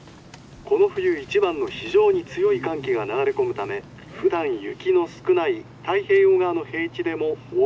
この冬一番の非常に強い寒気が流れ込むためふだん雪の少ない太平洋側の平地でも大雪となるおそれがあります。